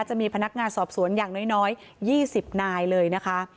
จะมีพนักงานสอบสวนอย่างน้อย๒๐นายเลยนะคะ